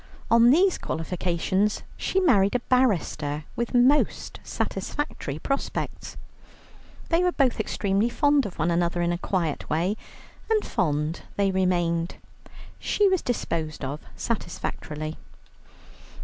On these qualifications she married a barrister with most satisfactory prospects. They were both extremely fond of one another in a quiet way, and fond they remained. She was disposed of satisfactorily.